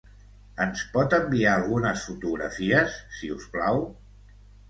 Ens pot enviar algunes fotografies, si us plau?